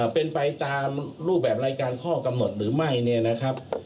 เป็นไปตามรูปแบบรายการข้อกำหนดหรือไม่เนี่ยนะครับ